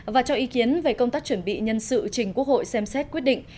và cho ý kiến về công tác chuẩn bị nhân sự trình quốc hội xem xét quyết định